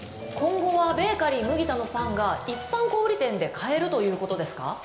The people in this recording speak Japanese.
今後はベーカリー麦田のパンが一般小売店で買えるということですか？